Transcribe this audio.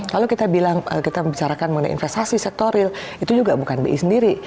kalau kita bicara mengenai investasi sektor real itu juga bukan bi sendiri